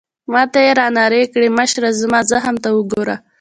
ما ته يې رانارې کړې: مشره، زما زخم ته وګوره.